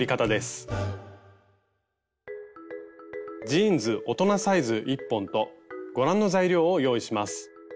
ジーンズ大人サイズ１本とご覧の材料を用意します。